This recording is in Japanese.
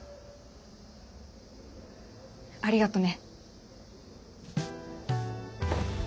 ありがとね。